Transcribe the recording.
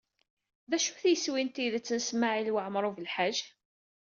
D acu-t yeswi n tidet n Smawil Waɛmaṛ U Belḥaǧ?